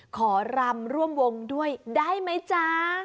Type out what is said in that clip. ขอรำร่วมวงด้วยได้ไหมจ๊ะ